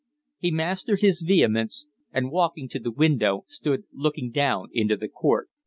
He mastered his vehemence, and, walking to the window, stood looking down into the court.